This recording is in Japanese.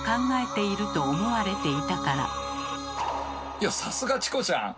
いやさすがチコちゃん！